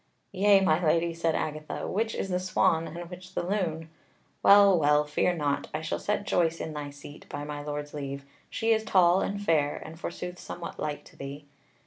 "Yea, my Lady," said Agatha, "which is the swan and which the loon? Well, well, fear not; I shall set Joyce in thy seat by my Lord's leave; she is tall and fair, and forsooth somewhat like to thee."